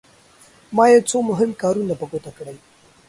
ما یو څو مهم کارونه په ګوته کړل.